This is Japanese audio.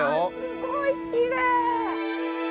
すごいきれい。